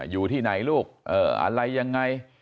อยู่ที่ไหนลูกอะไรยังไง